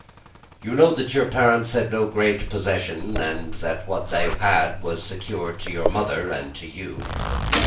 "You know that your parents had no great possession, and that what they had was secured to your mother and to you.